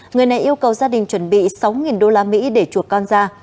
người này yêu cầu gia đình chuẩn bị sáu usd để chuột con ra